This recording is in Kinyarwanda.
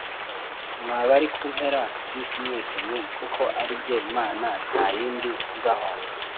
mwa bari ku mpera z’isi mwese mwe, kuko ari jye mana nta yindi ibaho